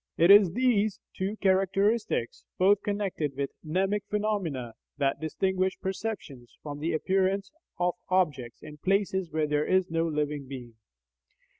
It is these two characteristics, both connected with mnemic phenomena, that distinguish perceptions from the appearances of objects in places where there is no living being.